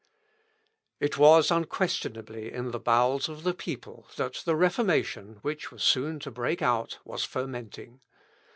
It was unquestionably in the bowels of the people that the Reformation, which was soon to break out, was fermenting.